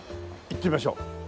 行ってみましょう。